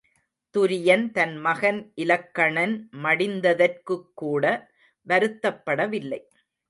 துரியன் தன் மகன் இலக்கணன் மடிந்ததற்குக்கூட வருத்தப்படவில்லை.